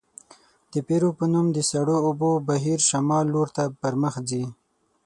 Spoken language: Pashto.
د پیرو په نوم د سړو اوبو بهیر شمال لورته پرمخ ځي.